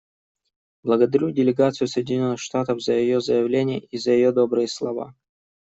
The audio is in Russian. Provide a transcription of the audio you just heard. Благодарю делегацию Соединенных Штатов за ее заявление и за ее добрые слова.